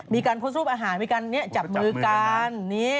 มีการโพสต์รูปอาหารมีการจับมือกัน